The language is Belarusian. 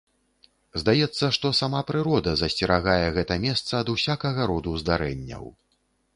Здаецца, што сама прырода засцерагае гэта месца ад усякага роду здарэнняў.